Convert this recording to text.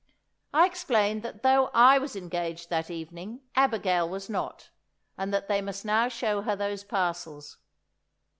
I explained that though I was engaged that evening, Abigail was not; and they must now show her those parcels.